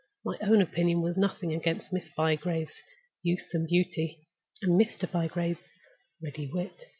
"My own opinion was nothing against Miss Bygrave's youth and beauty, and Mr. Bygrave's ready wit.